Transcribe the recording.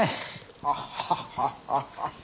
アハハハ。